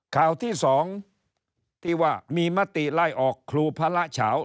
ข่าวที่๒ที่ว่ามีมติไล่ออกครูพระละเฉา